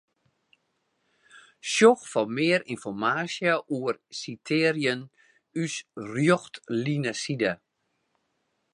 Sjoch foar mear ynformaasje oer sitearjen ús Rjochtlineside.